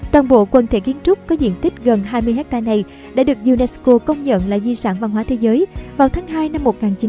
toàn bộ quần thể kiến trúc có diện tích gần hai mươi hectare này đã được unesco công nhận là di sản văn hóa thế giới vào tháng hai năm một nghìn chín trăm bảy mươi